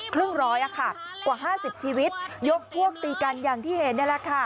ครึ่งร้อยอะค่ะกว่า๕๐ชีวิตยกพวกตีกันอย่างที่เห็นนั่นแหละค่ะ